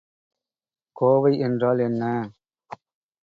கோவை என்றால் என்ன?